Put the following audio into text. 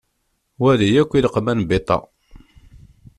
Wali akk ileqman beta.